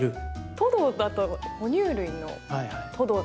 とどだと、哺乳類のトド。